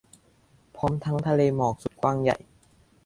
พร้อมทั้งทะเลหมอกสุดกว้างใหญ่